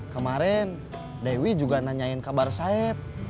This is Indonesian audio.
kemaren dewi juga nanyain kabar saeb